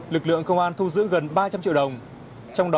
lực lượng công an thu giữ gần ba trăm linh triệu đồng